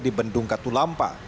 di bendung katulampa